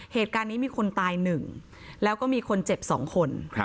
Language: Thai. เหตุการณ์นี้มีคนตาย๑แล้วก็มีคนเจ็บ๒คน